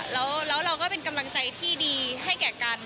แล้วเราก็เป็นกำลังใจที่ดีให้แก่กัน